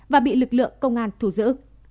và bị lực lượng công an thủ giữ